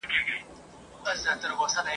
له قلمه مي زړه تور دی له کلامه ګیله من یم !.